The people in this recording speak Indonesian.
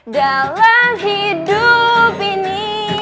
dalam hidup ini